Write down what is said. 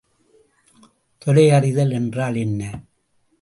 தொலையறிதல் என்றால் என்ன?